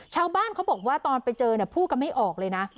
ชาวบ้านเขาบอกว่าตอนไปเจอเนี่ยพูดกันไม่ออกเลยนะ